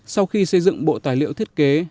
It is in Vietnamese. sau khi xây dựng bộ tài liệu thiết kế